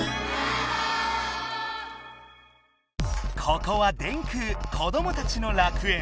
ここは電空子どもたちの楽園。